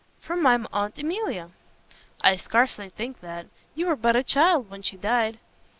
"From my Aunt Emilia." "I scarcely think that. You were but a child when she died."